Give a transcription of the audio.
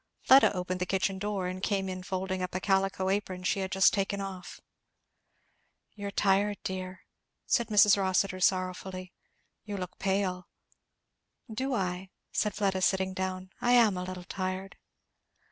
Fleda opened the kitchen door and came in folding up a calico apron she had just taken off. "You are tired, dear," said Mrs. Rossitur sorrowfully; "you look pale." "Do I?" said Fleda, sitting down. "I am a little tired!"